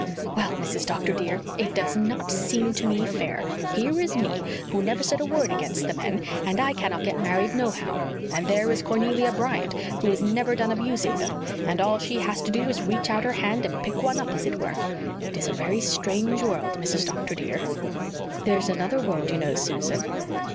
"Well, Mrs. Doctor, dear, it does NOT seem to me fair. Here is me, who never said a word against the men, and I cannot get married nohow. And there is Cornelia Bryant, who is never done abusing them, and all she has to do is to reach out her hand and pick one up, as it were. It is a very strange world, Mrs. Doctor, dear." "There's another world, you know, Susan."